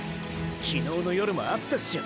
昨日の夜も会ったショ。